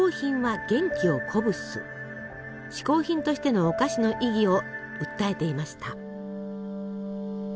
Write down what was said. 嗜好品としてのお菓子の意義を訴えていました。